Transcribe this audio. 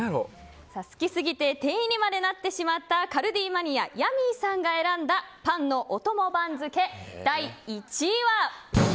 好きすぎて店員にまでなってしまったカルディマニアヤミーさんが選んだパンのおとも番付第１位は。